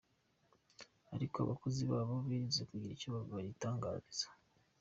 Ariko abakozi babo birinze kugira icyo baritangariza.